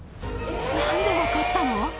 なんで分かったの？